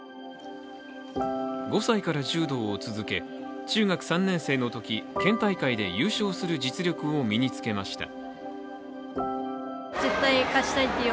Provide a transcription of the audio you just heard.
５歳から柔道を続け、中学３年生のとき県大会で優勝する実力を身につけました。